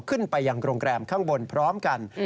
ขึ้นไปยังโรงแรมข้างบนพร้อมกัน